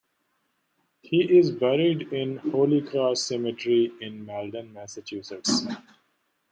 He is buried in Holy Cross Cemetery in Malden, Massachusetts.